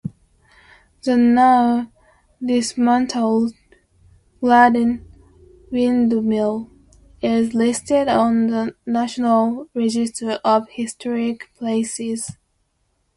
The now-dismantled Gladden Windmill is listed on the National Register of Historic Places.